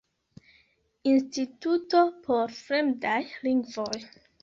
Instituto por fremdaj lingvoj.